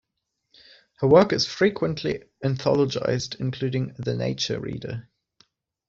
Her work is frequently anthologised, including "The Nature Reader".